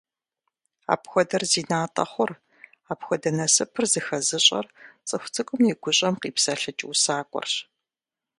Апхуэдэр зи натӀэ хъур, апхуэдэ насыпыр зыхэзыщӀэр цӀыху цӀыкӀум и гущӀэм къипсэлъыкӀ усакӀуэрщ.